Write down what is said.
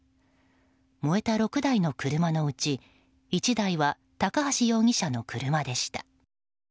燃えた６台の車のうち１台は高橋容疑者の車でした。